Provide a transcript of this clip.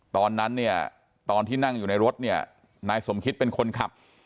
ตอนนั้นเนี่ยตอนที่นั่งอยู่ในรถเนี่ยนายสมคิตเป็นคนขับ